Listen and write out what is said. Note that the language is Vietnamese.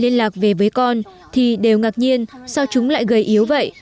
liên lạc về với con thì đều ngạc nhiên sao chúng lại gầy yếu vậy